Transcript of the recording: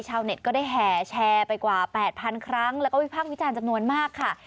เน็ตก็ได้แห่แชร์ไปกว่า๘๐๐๐ครั้งแล้วก็วิพากษ์วิจารณ์จำนวนมากค่ะ